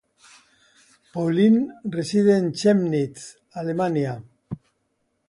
Pauline reside en Chemnitz, Alemania.